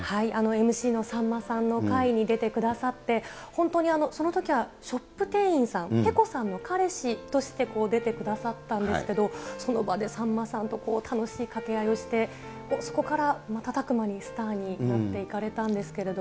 ＭＣのさんまさんの回に出てくださって、本当にそのときはショップ店員さん、ペコさんの彼氏として出てくださったんですけど、その場でさんまさんと楽しい掛け合いをして、そこから瞬く間にスターになっていかれたんですけど。